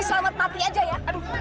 kamu selangit papi aja ya